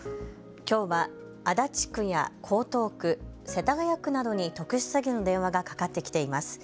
きょうは足立区や江東区、世田谷区などに特殊詐欺の電話がかかってきています。